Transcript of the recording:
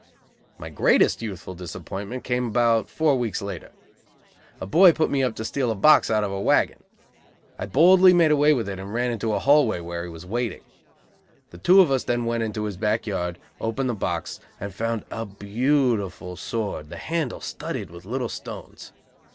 My greatest youthful disappointment came about four weeks later. A boy put me up to steal a box out of a wagon. I boldly made away with it and ran into a hall way, where he was waiting. The two of us then went into his back yard, opened the box and found a beautiful sword, the handle studded with little stones.